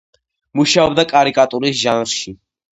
მუშაობდა კარიკატურის ჟანრში.